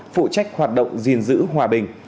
phụ trách hoạt động gìn giữ hòa bình